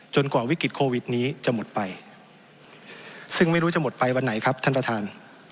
กว่าวิกฤตโควิดนี้จะหมดไปซึ่งไม่รู้จะหมดไปวันไหนครับท่านประธาน